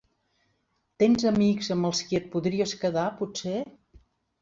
Tens amics amb els qui et podries quedar, potser?